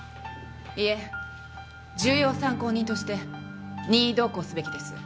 いえ重要参考人として任意同行すべきです。